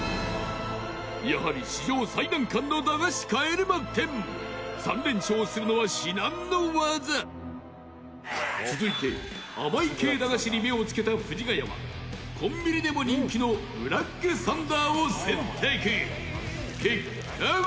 やはり、史上最難関の駄菓子帰れま１０３連勝するのは至難の業続いて、甘い系駄菓子に目をつけた藤ヶ谷はコンビニでも人気のブラックサンダーを選択結果は？